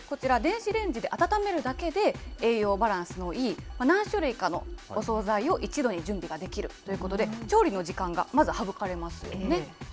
こちら、電子レンジで温めるだけで栄養バランスのいい、何種類かのお総菜を一度に準備ができるということで、調理の時間がまず、省かれますよね。